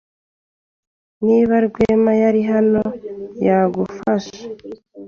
Niba Rwema yari hano, yagufasha.